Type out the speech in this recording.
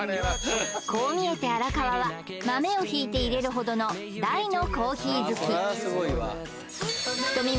こう見えて荒川は豆を挽いて入れるほどの大のコーヒー好きひとみ